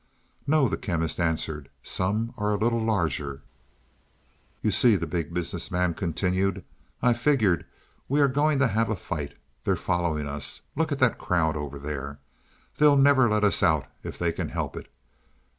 "No," the Chemist answered; "some are a little larger." "You see," the Big Business Man continued, "I figure we are going to have a fight. They're following us. Look at that crowd over there. They'll never let us out if they can help it.